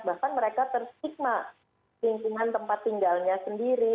bahkan mereka tersigma lingkungan tempat tinggalnya sendiri